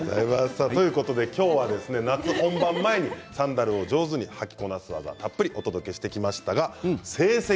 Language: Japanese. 今日は夏本番前にサンダルを上手に履きこなす技をたっぷりお届けしました。